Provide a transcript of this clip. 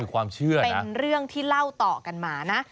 ความเชื่อเป็นเรื่องที่เล่าต่อกันมานะ